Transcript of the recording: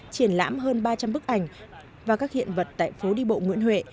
triển lãm hơn ba trăm linh bức ảnh và các hiện vật tại phố đi bộ nguyễn huệ